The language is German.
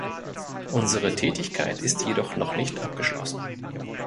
Unsere Tätigkeit ist jedoch noch nicht abgeschlossen.